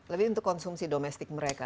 lebih untuk konsumsi domestik mereka